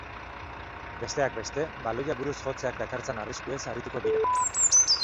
Besteak beste, baloia buruz jotzeak dakartzan arriskuez arituko dira.